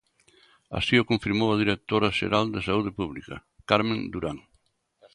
Así o confirmou a directora xeral de Saúde Pública, Carmen Durán.